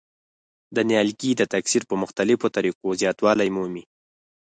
دا نیالګي د تکثیر په مختلفو طریقو زیاتوالی مومي.